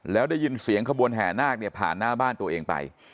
แล้วได้ยินเสียงขบวนแห่นาคเนี่ยผ่านหน้าบ้านตัวเองไป